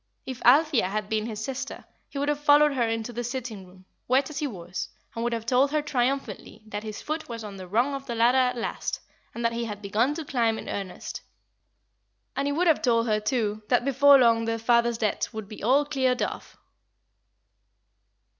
If Althea had been his sister, he would have followed her into the sitting room, wet as he was, and would have told her triumphantly that his foot was on the rung of the ladder at last, and that he had begun to climb in earnest. And he would have told her, too, that before long their father's debts would be all cleared off.